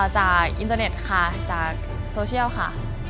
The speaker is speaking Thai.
อินเตอร์เน็ตค่ะจากโซเชียลค่ะ